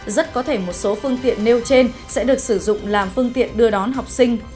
rất có thể một số phương tiện nêu trên sẽ được sử dụng làm phương tiện đưa đón học sinh